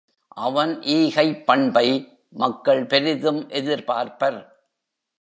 அவன் ஈகைப் பண்பை மக்கள் பெரிதும் எதிர்பார்ப்பர்.